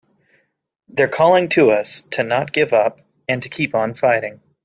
They're calling to us not to give up and to keep on fighting!